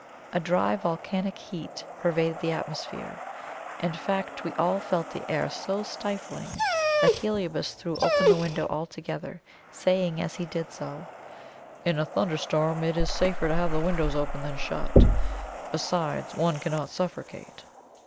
A dry volcanic heat pervaded the atmosphere in fact we all felt the air so stifling, that Heliobas threw open the window altogether, saying, as he did so: "In a thunderstorm, it is safer to have the windows open than shut; besides, one cannot suffocate."